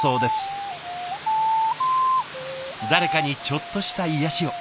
誰かにちょっとした癒やしを。